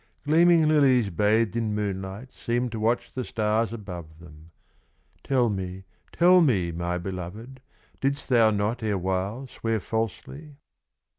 Gleaming lilies bathed in moonlight Seemed to watch the stars above them. "Tell me, tell me, my belovèd, Didst thou not erewhile swear falsely?"